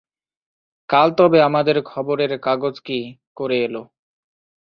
কাল তবে আমাদের খবরের কাগজ কি করে এলো?